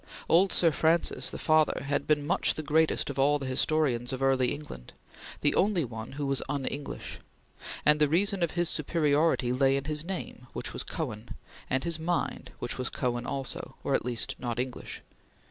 Old Sir Francis, the father, had been much the greatest of all the historians of early England, the only one who was un English; and the reason of his superiority lay in his name, which was Cohen, and his mind which was Cohen also, or at least not English.